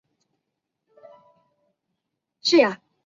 至今该地区的叛乱军还是活跃。